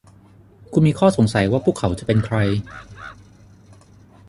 คุณมีข้อสงสัยว่าพวกเขาจะเป็นใคร ?